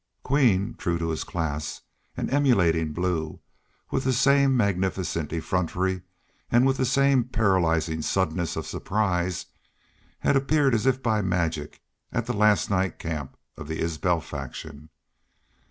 Queen, true to his class, and emulating Blue with the same magnificent effrontery and with the same paralyzing suddenness of surprise, had appeared as if by magic at the last night camp of the Isbel faction.